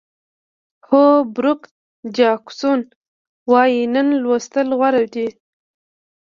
هول بروک جاکسون وایي نن لوستل غوره دي.